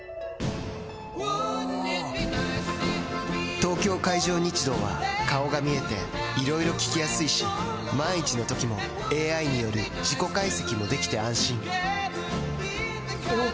東京海上日動は顔が見えていろいろ聞きやすいし万一のときもＡＩによる事故解析もできて安心おぉ！